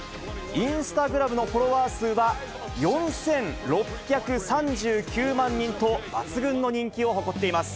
インスタグラムのフォロワー数は、４６３９万人と、抜群の人気を誇っています。